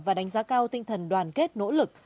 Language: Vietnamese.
và đánh giá cao tinh thần đoàn kết nỗ lực